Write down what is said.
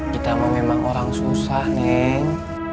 kita emang memang orang susah neng